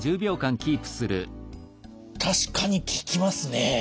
確かに効きますね。